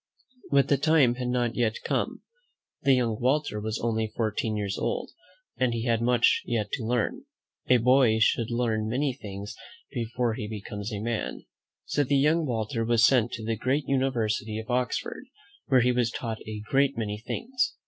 But the time had not yet come. The young Walter was only fourteen years old, and he had e. ^l^iM^. I lAI E N WHO FOUND A M E R I C much yet to learn. A boy should learn many things before he becomes a man. So the young Walter was sent to the great University of Oxford, where he was taught a great many things.